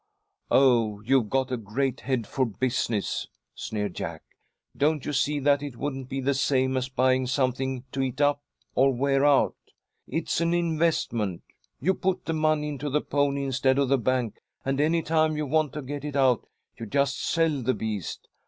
"Oh, you've got a great head for business!" sneered Jack. "Don't you see that it wouldn't be the same as buying something to eat up or wear out? It's an investment. You put the money into the pony instead of the bank, and any time you want to get it out, you just sell the beast.